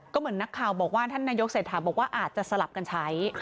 ก็เหมือนนักข่าวบอกว่าท่านนายกเศรษฐาบอกว่าอาจจะสลับกันใช้